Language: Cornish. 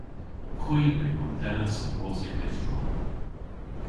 Hwi re omdennas awos yeghes drog.